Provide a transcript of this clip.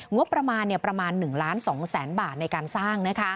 งบประมาณประมาณ๑ล้าน๒แสนบาทในการสร้าง